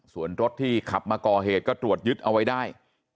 ส่วนรถที่ขับมาก่อเหตุก็ตรวจยึดเอาไว้ได้